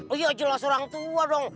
oh iya jelas orang tua dong